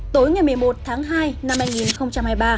tối ngày một mươi một tháng hai năm hai nghìn hai mươi ba